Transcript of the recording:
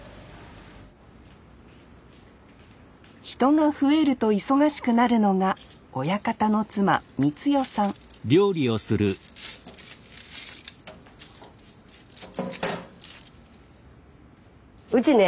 人が増えると忙しくなるのが親方のうちね